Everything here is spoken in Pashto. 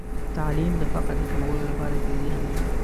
تعلیم د فقر د کمولو لپاره کلیدي حل دی.